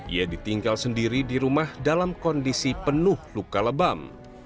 ia ditinggal sendiri di rumah dalam kondisi penuh luka lebam